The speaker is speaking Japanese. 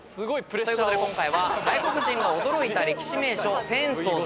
ということで今回は外国人が驚いた歴史名所浅草寺。